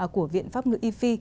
của viện pháp ngữ ifi